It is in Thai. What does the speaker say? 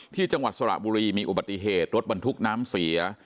จังหวัดสระบุรีมีอุบัติเหตุรถบรรทุกน้ำเสีย